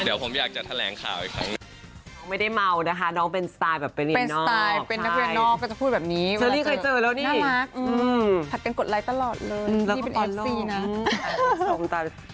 เดี๋ยวผมอยากจะแถลงข่าวอีกครั้ง